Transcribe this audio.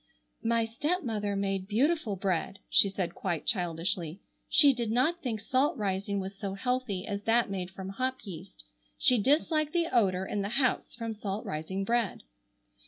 "My stepmother made beautiful bread," she said quite childishly; "she did not think salt rising was so healthy as that made from hop yeast. She disliked the odor in the house from salt rising bread."